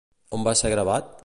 On va ser gravat?